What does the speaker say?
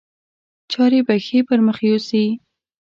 چارې به ښې پر مخ یوسي.